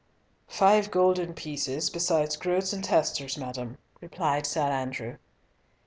"Five golden pieces, besides groats and testers, madam," replied Sir Andrew.